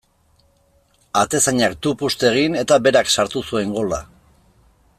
Atezainak tupust egin eta berak sartu zuen gola.